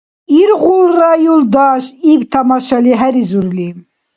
— Иргъулра, юлдаш, — иб, тамашали хӀеризурли.